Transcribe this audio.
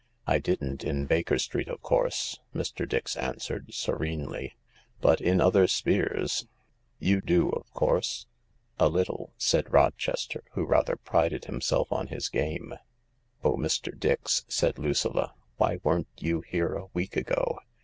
" I didn't in Baker Street, of course," Mr. Dix answered serenely, " but in other spheres .,. You do, of course ?" "A little," said Rochester, who rather prided himself on his game. "Oh, Mr. Dix," said Lucilla, "why weren't you here a week ago